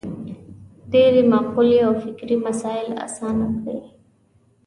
ډېرې مقولې او فکري مسایل اسانه کړي.